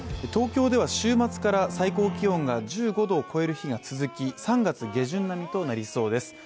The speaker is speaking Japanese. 東京では週末から最高気温が１５度を超える日が続き３月下旬並みとなりそうです。